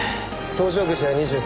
搭乗口は２３。